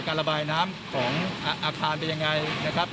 ระบายน้ำของอาคารเป็นยังไงนะครับ